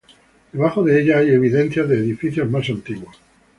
Debajo de ella hay evidencias de edificios más antiguos.